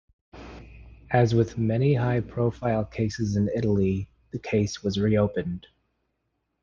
As with many high-profile cases in Italy, the case was reopened.